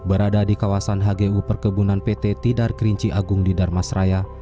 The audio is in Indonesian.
berada di kawasan hgu perkebunan pt tidarkerinci agung di darmasraya